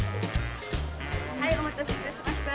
はいおまたせいたしました。